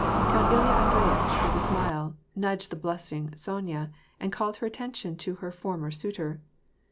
Count Uya Andreyitch, with a smile, nudged the blushing Sonya, and called her attention to her former suitor.